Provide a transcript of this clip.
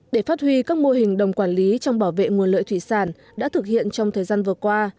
để phát huy các mô hình đồng quản lý trong bảo vệ nguồn lợi thủy sản đã thực hiện trong thời gian vừa qua